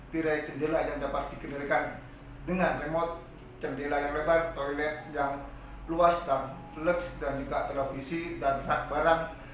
tirai jendela yang dapat dikendalikan dengan remote jendela yang lebar toilet yang luas dan lux dan juga televisi dan hak barang